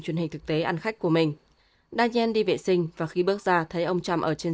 truyền hình thực tế ăn khách của mình dan đi vệ sinh và khi bước ra thấy ông trump ở trên